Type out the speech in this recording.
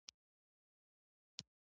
که ګاونډي ته مینه ورکړې، زړونه به خوږ شي